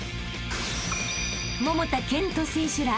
［桃田賢斗選手ら